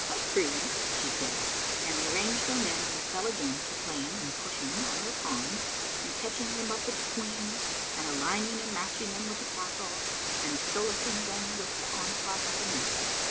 "Agreed," said she and they ranged their men and fell again to playing and pushing on their pawns and catching them up with the queens and aligning and matching them with the castles and solacing them with the onslaught of the knights.